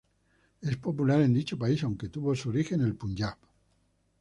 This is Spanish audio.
Es popular en dicho país, aunque tuvo su origen en el Punyab.